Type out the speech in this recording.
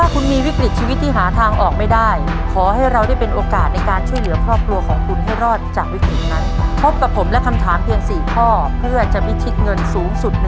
๔ข้อเพื่อจะพิธิกเงินสูงสุด๑ล้านบาทได้ในเกมต่อชีวิต